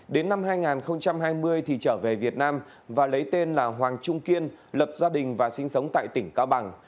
đến năm hai nghìn hai mươi thì trở về việt nam và lấy tên là hoàng trung kiên lập gia đình và sinh sống tại tỉnh cao bằng